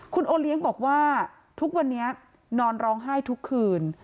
คุณโอเลี้ยงบอกว่าทุกวันนี้นอนร้องไห้ทุกคืน